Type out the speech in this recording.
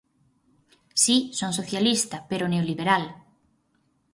Si, son socialista, pero neoliberal.